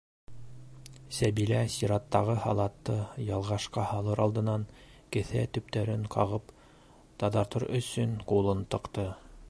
Сәбилә сираттағы халатты ялғашҡа һалыр алдынан, кеҫә төптәрен ҡағып таҙартыр өсөн, ҡулын тыҡты.